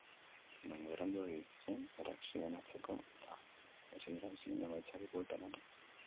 Baina beranduegi zen erreakzionatzeko eta ezin izan zion emaitzari buelta eman.